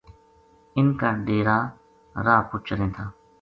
اِن کا ڈیرا راہ پو چلیں تھا